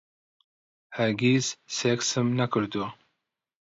هەرگیز سێکسم نەکردووە.